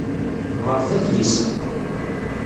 Ɣret adlis-a.